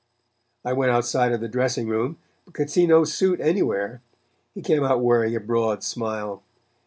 I went outside of the dressing room but could see no suit anywhere. He came out wearing a broad smile.